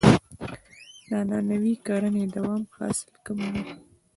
د عنعنوي کرنې دوام حاصل کموي.